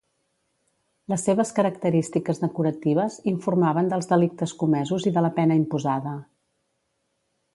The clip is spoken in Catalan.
Les seves característiques decoratives informaven dels delictes comesos i de la pena imposada.